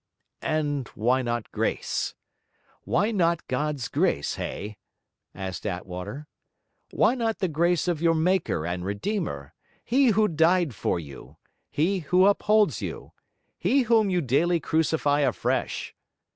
'And why not Grace? Why not God's Grace, Hay?' asked Attwater. 'Why not the grace of your Maker and Redeemer, He who died for you, He who upholds you, He whom you daily crucify afresh?